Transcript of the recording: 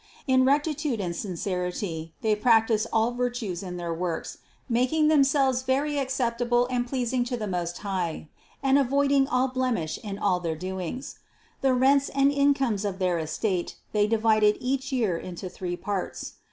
In rectitude and sincerity they practiced all virtue in their works, making them selves very acceptable and pleasing to the Most High and avoiding all blemish in all their doings. The rents and incomes of their estate they divided each year into three parts.